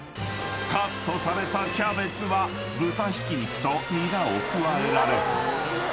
［カットされたキャベツは豚ひき肉とニラを加えられ］